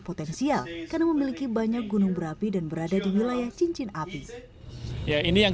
potensial karena memiliki banyak gunung berapi dan berada di wilayah cincin api ya ini yang